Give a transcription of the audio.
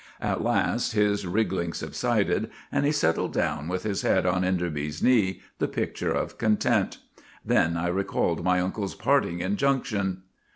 At last his wriggling subsided, and he settled down with his head on Enderby's knee, the picture of content. Then I recalled my uncle's parting injunction.